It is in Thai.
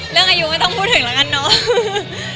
เรื่องอายุไม่ต้องพูดถึงแล้วกันเนาะ